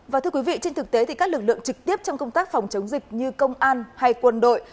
và thưa quý vị trên thực tế thì các lực lượng trực tiếp trong công tác phòng chống dịch như công an hay quân đội